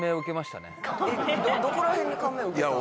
どこら辺に感銘を受けたんです？